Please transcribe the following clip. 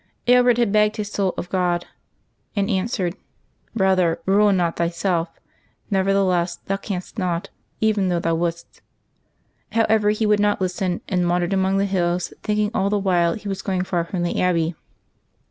But. Aelred had begged his soul of God, and answered, "Brother, ruin not thyself; nevertheless thou canst not, even though thou wouldst." However, he would not lis ten, and wandered among the hills, thinking all the while he was going far from the abbey.